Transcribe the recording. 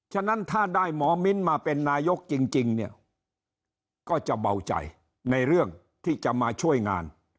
ฉะนั้นถ้าได้หมอมิ้นมาเป็นนายกจริงเนี่ยก็จะเบาใจในเรื่องที่จะมาช่วยงาน